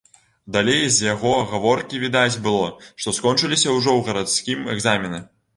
Далей з яго гаворкі відаць было, што скончыліся ўжо ў гарадскім экзамены.